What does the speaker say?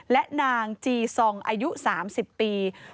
และนางจีซองอายุ๓๐ปี